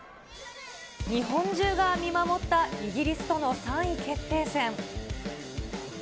日本中が見守ったイギリスとの３位決定戦。